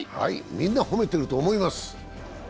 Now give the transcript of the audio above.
みんな褒めてると思います。